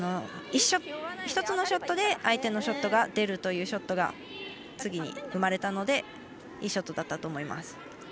１つのショットで相手のショットが出るというショットが次に生まれたのでいいショットだったと思います。